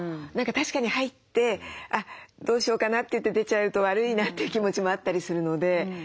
何か確かに入ってどうしようかなっていって出ちゃうと悪いなという気持ちもあったりするので。